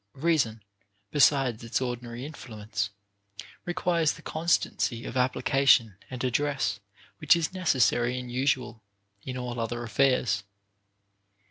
Rea son, besides its ordinary influence, requires the constancy of application and address which is necessary and usual in all other affairs.